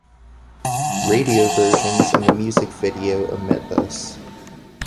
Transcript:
Radio versions, and the music video, omit this.